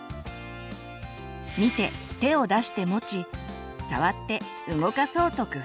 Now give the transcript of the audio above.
見て手を出して持ち触って動かそうと工夫する。